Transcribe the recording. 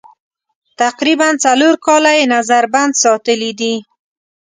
تقریباً څلور کاله یې نظر بند ساتلي دي.